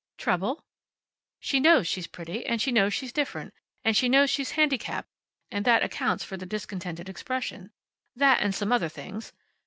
"Trouble?" "She knows she's pretty, and she knows she's different, and she knows she's handicapped, and that accounts for the discontented expression. That, and some other things.